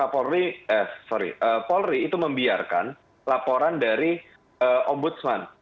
polri eh sorry polri itu membiarkan laporan dari ombudsman